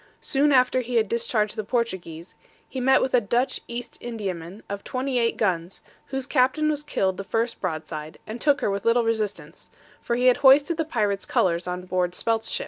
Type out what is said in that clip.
Soon after he had discharged the Portuguese, he met with a Dutch East Indiaman of 28 guns, whose captain was killed the first broadside, and took her with little resistance, for he had hoisted the pirate's colors on board Spelt's ship.